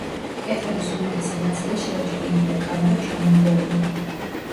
კედლების უმეტესი ნაწილი შერჩენილია, კამარა ჩამონგრეულია.